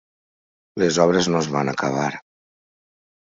Les obres no es van acabar.